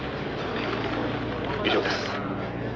「以上です」